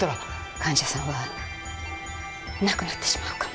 患者さんは亡くなってしまうかも。